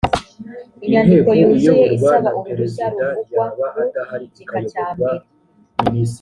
inyandiko yuzuye isaba uruhushya ruvugwa mu gika cyambere